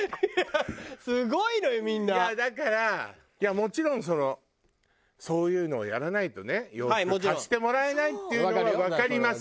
もちろんそのそういうのをやらないとね洋服貸してもらえないっていうのはわかります。